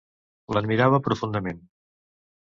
L'admirava profundament.